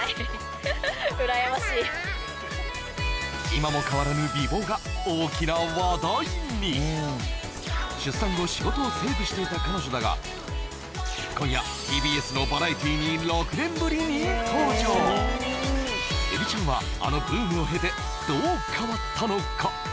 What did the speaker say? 今も変わらぬ美貌が大きな話題にしていた彼女だが今夜ＴＢＳのバラエティに６年ぶりに登場エビちゃんはあのブームを経てどう変わったのか？